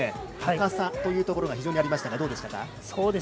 高さというところが非常にありましたがどうでしたか？